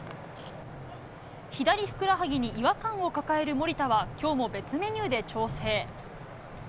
左ふくらはぎに違和感を抱える守田は今日も別メニューで調整。